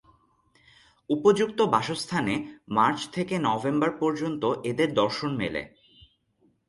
উপযুক্ত বাসস্থানে মার্চ থেকে নভেম্বর পর্যন্ত এদের দর্শন মেলে।